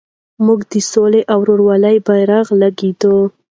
موږ د سولې او ورورولۍ بیرغ لېږدوو.